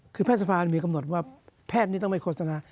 คือแพทย์สภามีกำหนดว่าแพทย์นี้ต้องไปโฆษณา